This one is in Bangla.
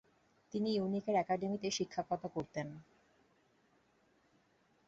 তিনি ইউনিয়ন অ্যাকাডেমিতে শিক্ষকতা করতেন ।